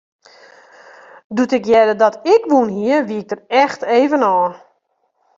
Doe't ik hearde dat ik wûn hie, wie ik der echt even ôf.